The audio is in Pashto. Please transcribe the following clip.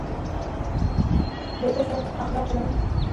د یو بل سره په اخلاقو چلند وکړئ.